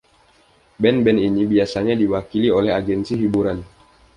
Band-band ini biasanya diwakili oleh 'agensi hiburan'.